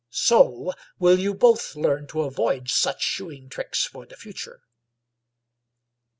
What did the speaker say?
So will you both learn to avoid such shoeing tricks for the future."